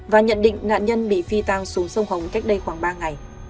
và nhận định nạn nhân bị phi tang xuống sông hồng cách đây khoảng ba ngày